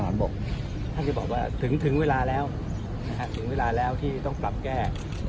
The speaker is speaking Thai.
ท่านก็บอกว่าถึงเวลาแล้วถึงเวลาแล้วที่ต้องปรับแก้